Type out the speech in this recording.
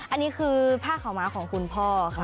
อันนี้คือผ้าขาวม้าของคุณพ่อค่ะ